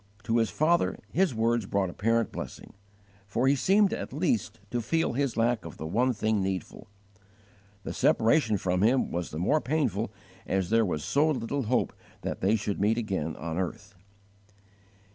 To his father his words brought apparent blessing, for he seemed at least to feel his lack of the one thing needful. The separation from him was the more painful as there was so little hope that they should meet again on earth.